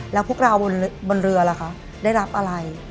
แล้วพวกเราบนเรือล่ะคะได้รับอะไร